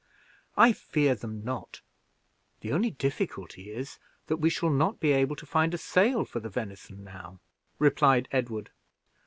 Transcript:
"I fear them not; the only difficulty is, that we shall not be able to find a sale for the venison now," replied Edward.